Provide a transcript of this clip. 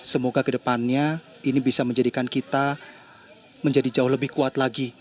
semoga kedepannya ini bisa menjadikan kita menjadi jauh lebih kuat lagi